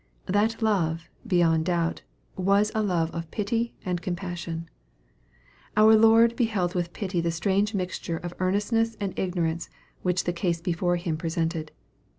That love, beyond doubt, was a love of pity and compassion. Our Lord beheld with pity the strange mixture of earnestness and ignorance which the case be fore Him presented.